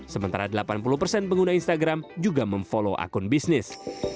sementara delapan puluh persen pengguna instagram juga memfollow akun bisnis